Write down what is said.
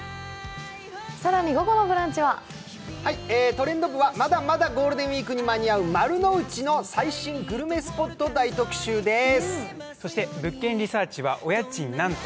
更に午後の「ブランチ」はトレンド部はまだまだゴールデンウイークに間に合う丸の内の最新グルメスポットを大特集です。